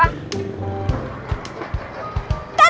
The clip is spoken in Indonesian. oh iya bukain ya